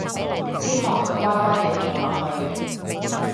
希望佢乖乖哋做落去